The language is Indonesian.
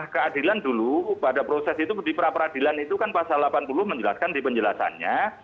keadilan dulu pada proses itu di pra peradilan itu kan pasal delapan puluh menjelaskan di penjelasannya